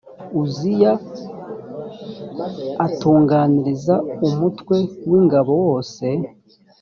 uziya atunganiriza umutwe w ingabo wose